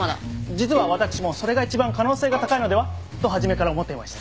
実は私もそれが一番可能性が高いのでは？と初めから思っていました。